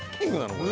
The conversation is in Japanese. これ。